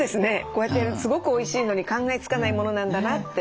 こうやってすごくおいしいのに考えつかないものなんだなって。